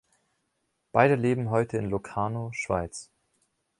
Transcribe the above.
Beide leben heute in Locarno, Schweiz.